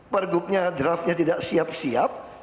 pergubnya draftnya tidak siap siap